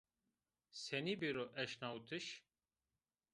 Senî bêro eşnawitiş?